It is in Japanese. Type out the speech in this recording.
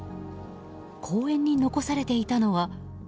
公園に残されていたのは。